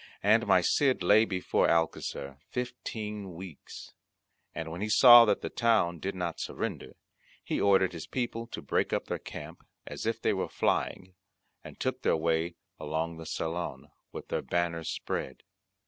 And my Cid lay before Alcocer fifteen weeks; and when he saw that the town did not surrender, he ordered his people to break up their camp, as if they were flying, and they took their way along the Salon, with their banners spread.